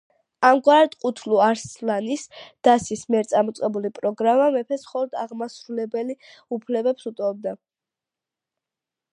ამგვარად, ყუთლუ-არსლანის დასის მიერ წამოყენებული პროგრამა მეფეს მხოლოდ აღმასრულებელ უფლებებს უტოვებდა.